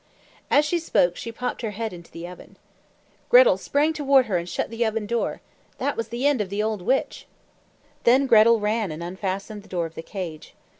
As she spoke, she popped her head into the oven. Gretel sprang toward her and shut the oven door. That was the end of the old witch! Then Gretel ran and unfastened the door of the cage.